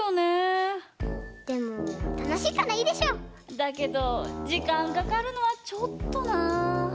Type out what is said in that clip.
だけどじかんかかるのはちょっとなぁ。